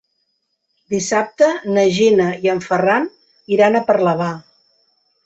Dissabte na Gina i en Ferran iran a Parlavà.